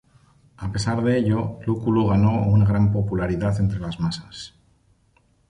A pesar de ello, Lúculo ganó una gran popularidad entre las masas.